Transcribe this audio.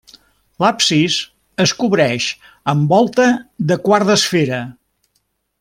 L’absis es cobreix amb volta de quart d’esfera.